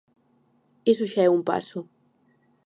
Iso xa é un paso.